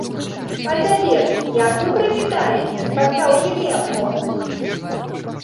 А цяпер, як вы прывітаеце, спаткаўшы немку?